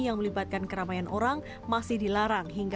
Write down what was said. yang melibatkan keramaian orang masih dilarang hingga